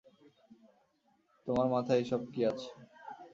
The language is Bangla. তোমার মাথায় এসব কী আসছে?